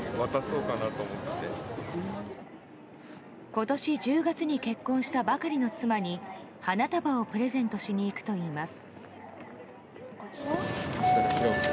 今年１０月に結婚したばかりの妻に花束をプレゼントしに行くといいます。